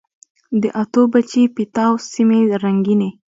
د اتو، بچي، پیتاو سیمي رنګیني